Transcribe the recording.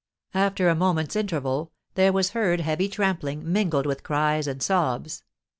After a moment's interval, there was heard heavy trampling, mingled with cries and sobs.